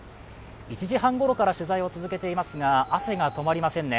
１時半ごろから取材を続けていますが、汗が止まりませんね。